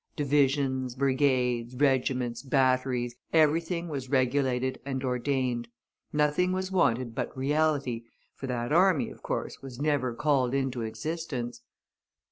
Divisions, brigades, regiments, batteries, everything was regulated and ordained. Nothing was wanted but reality, for that army, of course, was never called into existence.